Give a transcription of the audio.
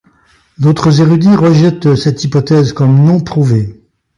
D'autres érudits rejettent cette hypothèse comme non prouvée.